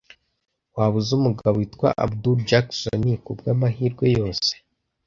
Waba uzi umugabo witwa Abudul Jackson kubwamahirwe yose?